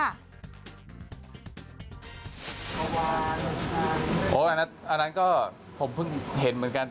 อันนั้นก็ผมเพิ่งเห็นเหมือนกัน